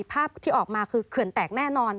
ภาพที่ออกมาคือเขื่อนแตกแน่นอน